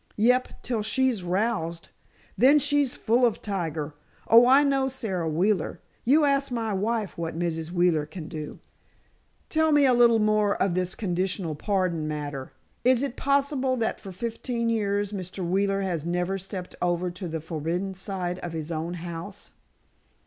"Yep; till she's roused. Then she's full of tiger! Oh, I know Sara Wheeler. You ask my wife what Mrs. Wheeler can do!" "Tell me a little more of this conditional pardon matter. Is it possible that for fifteen years Mr. Wheeler has never stepped over to the forbidden side of his own house?"